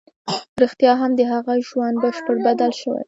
رښتيا هم د هغه ژوند بشپړ بدل شوی و.